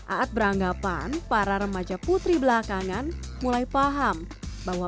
a'at beranggapan para remaja putri belakangan mulai paham bahwa penampilan adalah simbolnya